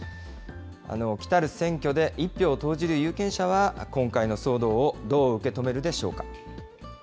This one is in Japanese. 来る選挙で１票を投じる有権者は、今回の騒動をどう受け止めるでしょうか。